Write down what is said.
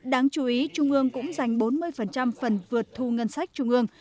đáng chú ý trung ương cũng dành bốn mươi phần vượt thu ngân sách trung ương